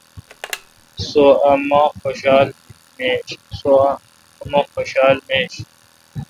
سو امہ حوشہ میش۔